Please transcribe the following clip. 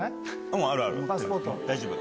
大丈夫。